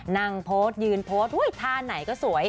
นั่งโพสต์ยืนโพสต์ท่าไหนก็สวย